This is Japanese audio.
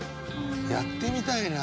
やってみたいな。